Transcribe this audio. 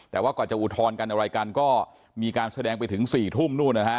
แต่ว่าก่อนจะอุทธรณ์กันอะไรกันก็มีการแสดงไปถึง๔ทุ่มนู่นนะฮะ